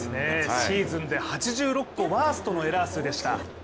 シーズン８６個ワーストのエラー数でした。